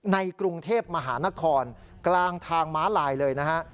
ในกรุงเทพมหานครกลางทางม้าลายเลยนะฮะ